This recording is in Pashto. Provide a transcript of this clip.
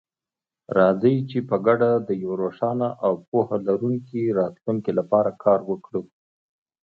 راځئ چې په ګډه د یو روښانه او پوهه لرونکي راتلونکي لپاره کار وکړو.